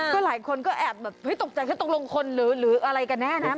ก็หลายคนก็แอบว่าตกใจขึ้นตรงลงคนหรืออะไรแน่นะ